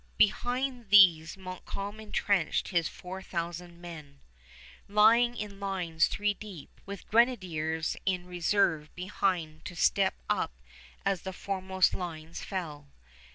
Behind these Montcalm intrenched his four thousand men, lying in lines three deep, with grenadiers in reserve behind to step up as the foremost lines fell.